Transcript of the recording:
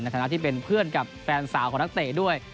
ฐานะที่เป็นเพื่อนกับแฟนสาวของนักเตะด้วย